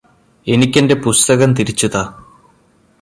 എനിക്കെന്റെ പുസ്തകം തിരിച്ചു താ